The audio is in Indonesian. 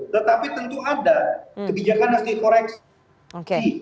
tetapi tentu ada kebijakan harus dikoreksi